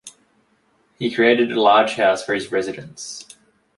He created a large house for his residence.